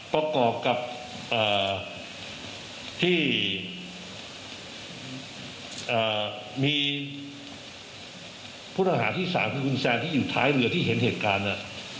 ประกอบกับที่มีผู้ต้องหาที่๓คือคุณแซนที่อยู่ท้ายเรือที่เห็นเหตุการณ์เนี่ย